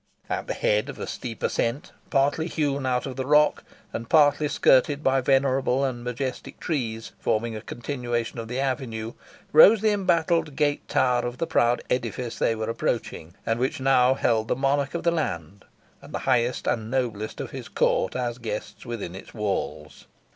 At the head of a steep ascent, partly hewn out of the rock, and partly skirted by venerable and majestic trees, forming a continuation of the avenue, rose the embattled gate tower of the proud edifice they were approaching, and which now held the monarch of the land, and the highest and noblest of his court as guests within its halls.